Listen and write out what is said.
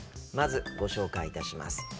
まずご紹介いたします。